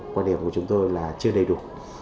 quan điểm của chúng tôi là chưa đầy đủ